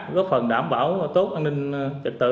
góp phần đảm bảo tốt an ninh trật tự